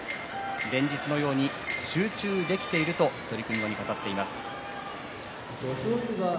連日のように集中できていると取組後に語っています。